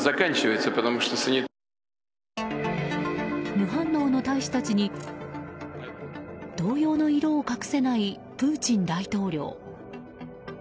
無反応の大使たちに動揺の色を隠せないプーチン大統領。